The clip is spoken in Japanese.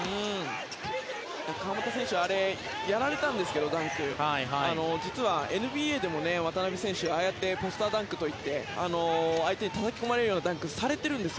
川真田選手はダンクをやられたんですが実は、ＮＢＡでも渡邊選手ポスターダンクといってああいう相手にたたき込まれるようなダンクをされているんです。